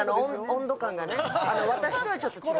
私とはちょっと違う。